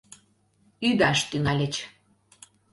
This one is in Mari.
Ӱдаш тӱҥальыч.